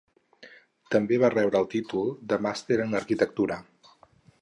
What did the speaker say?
També va rebre un títol de Màster en Arquitectura.